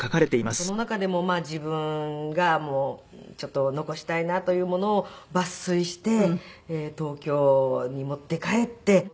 その中でも自分がちょっと残したいなというものを抜粋して東京に持って帰って。